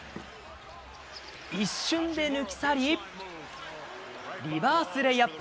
一瞬で抜き去り、リバースレイアップ。